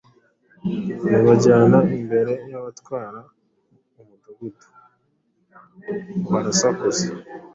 babajyana imbere y’abatwara umudugudu, barasakuza